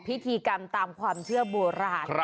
พิธีกรรมตามความเชื่อโบราณ